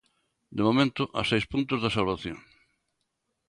De momento, a seis puntos da salvación.